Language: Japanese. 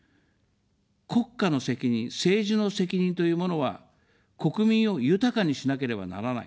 国家の責任、政治の責任というものは国民を豊かにしなければならない。